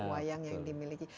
wayang yang dimiliki